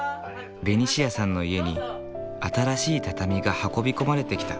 ベニシアさんの家に新しい畳が運び込まれてきた。